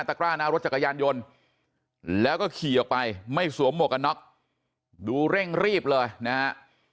กร้าหน้ารถจักรยานยนต์แล้วก็ขี่ออกไปไม่สวมหมวกกันน็อกดูเร่งรีบเลยนะฮะ